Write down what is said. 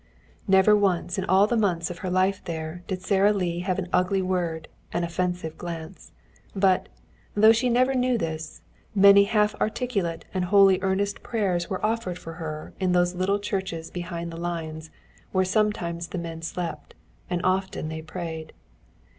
Never once in all the months of her life there did Sara Lee have an ugly word, an offensive glance. But, though she never knew this, many half articulate and wholly earnest prayers were offered for her in those little churches behind the lines where sometimes the men slept, and often they prayed.